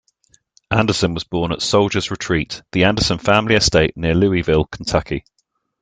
Anderson was born at "Soldier's Retreat," the Anderson family estate near Louisville, Kentucky.